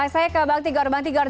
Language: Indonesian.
saya ke mbak tigor mbak tigor